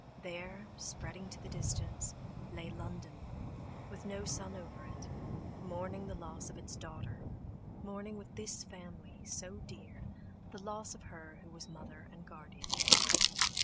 There—spreading to the distance, lay London, with no sun over it, mourning the loss of its daughter, mourning with this family, so dear, the loss of her who was mother and guardian.